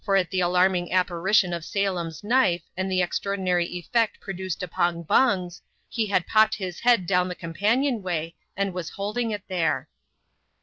[chap, xxh fo^ at the alarming apparition of Salem's knife, and the extra* ordinary effect produced upon Bungs, he had popped his head down the companion way, and was holding it there.